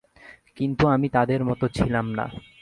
কিন্তু আমি তাদের মতো ছিলাম না।